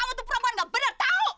ibu kamu tuh perempuan nggak bener tahu